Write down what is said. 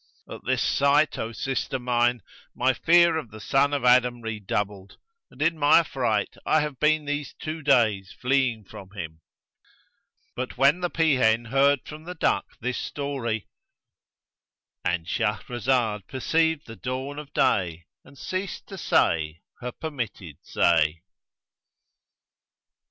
At this sight, O sister mine, my fear of the son of Adam redoubled and in my affright I have been these two days fleeing from him." But when the peahen heard from the duck this story,—And Shahrazad perceived the dawn of day and ceased to say her permitted say.